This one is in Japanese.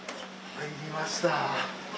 入りました。